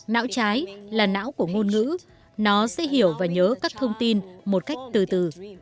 não trái là não của ngôn ngữ nó sẽ hiểu và nhớ các thông tin một cách từ từ